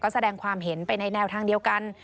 แสดงความเห็นไปในแนวทางเดียวกัน